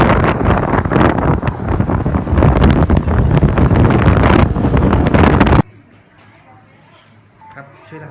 แต่ว่าเมืองนี้ก็ไม่เหมือนกับเมืองอื่น